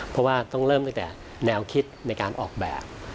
เพราะว่าต้องเริ่มตั้งแต่แนวคิดในการออกแบบ